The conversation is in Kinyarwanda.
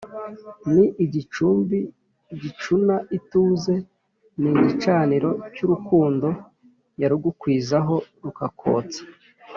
Ni igicumbi gicuna ituze, Ni igicaniro cy'urukundo Yarugukwiza ho rukakotsa